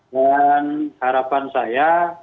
dan harapan saya